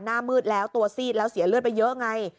หน้ามืดแล้วตัวซีดแล้วเสียเลือดไปเยอะไง